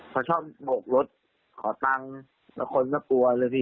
เขาชอบโบกรถขอตังค์แล้วคนก็กลัวเลยพี่